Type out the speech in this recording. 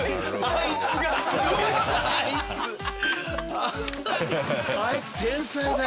あいつあいつ天才だよ。